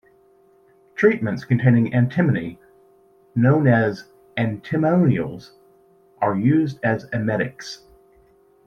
Treatments containing antimony, known as antimonials, are used as emetics.